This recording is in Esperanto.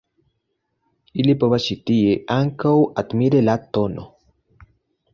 Ili povas ĉi tie ankaŭ admiri la tn.